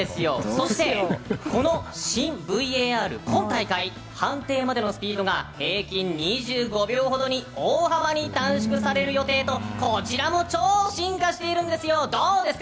そして、この新ＶＡＲ判定までのスピードが平均２５秒ほどに大幅に短縮される予定とこちらも超進化しています。